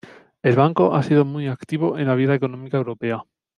El banco ha sido muy activo en la vida económica europea.